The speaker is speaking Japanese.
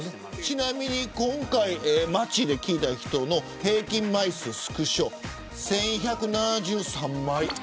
ちなみに今回、街で聞いた人の平均枚数１１７３枚。